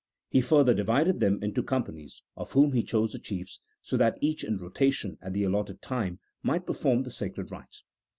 He further divided them into companies (of whom he chose the chiefs), so that each in rotation, at the allotted time, might perform the sacred rites.